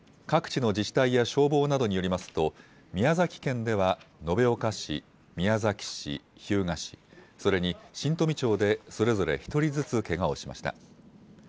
各地の自治体や消防などによりますと宮崎県では延岡市、宮崎市、日向市、それに新富町でそれぞれ１人ずつけがをしました。